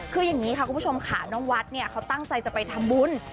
คืออย่างนี้ค่ะคุณผู้ชมค่ะน้องวัดเนี่ยเขาตั้งใจจะไปทำบุญ